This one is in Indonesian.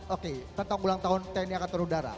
oke tentang ulang tahun tni angkatan udara